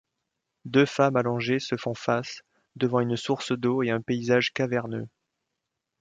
Deux femmes allongés se font face devant une source d'eau et un paysage caverneux.